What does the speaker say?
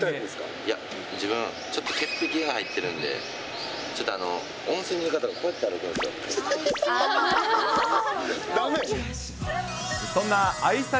いや、自分、ちょっと潔癖が入ってるんで、ちょっと、温泉だとこうやって歩いてるんですよ。